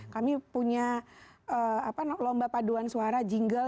kami punya lomba paduan suara jingle